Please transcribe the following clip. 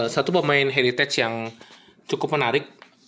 satu pemain heritage yang cukup menarik